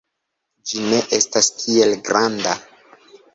Ĝi ne estas tiel granda.